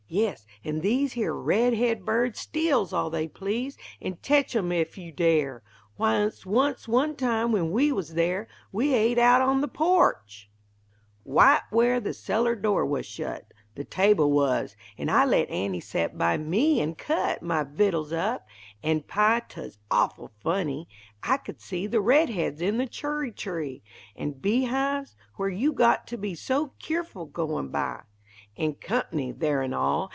Yes, an' these Here red head birds steals all they please, An' tetch 'em ef you dare! W'y, wunst, one time, when we wuz there, We et out on the porch! Wite where the cellar door wuz shut The table wuz; an' I Let Aunty set by me an' cut My vittuls up an' pie. 'Tuz awful funny! I could see The red heads in the churry tree; An' bee hives, where you got to be So keerful, goin' by; An' "Comp'ny" there an' all!